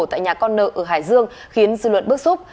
tại nhà con nợ ở hải dương khiến dư luận bức xúc